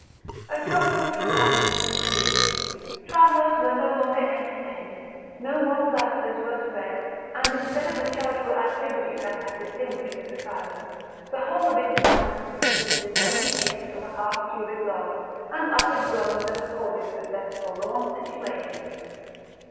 A total supineness ensued, travellers were no longer entertained, no more plaisters were spread, and, instead of the charitable activity that had distinguished this asylum, the whole of its inhabitants exhibited only faces of a half cubit long, and uttered groans that accorded with their forlorn situation.